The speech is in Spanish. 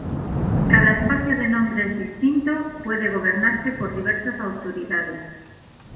Cada espacio de nombres distinto puede gobernarse por diversas autoridades.